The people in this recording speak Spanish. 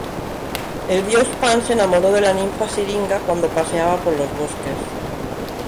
El dios Pan se enamoró de la ninfa Siringa, cuando paseaba por los bosques.